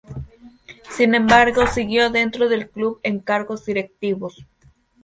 Sin embargo siguió dentro del club en cargos directivos.